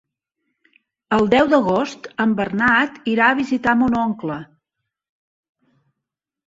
El deu d'agost en Bernat irà a visitar mon oncle.